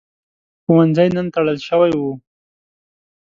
ښوونځی نن تړل شوی و.